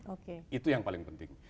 jadi yang paling penting